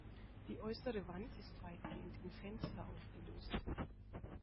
Die äußere Wand ist weitgehend in Fenster aufgelöst.